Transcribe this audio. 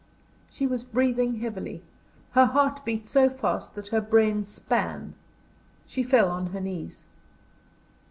She was breathing heavily. Her heart beat so fast that her brain span; she fell on her knees.